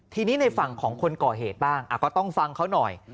ทีนี้ในฝั่งของคนก่อเหตุบ้างก็ต้องฟังเขาหน่อย